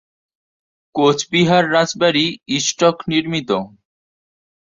কোচবিহার রাজবাড়ি ইষ্টক-নির্মিত।